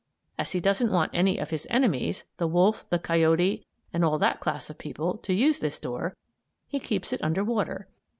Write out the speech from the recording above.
As he doesn't want any of his enemies the wolf, the coyote, and all that class of people to use this door, he keeps it under water.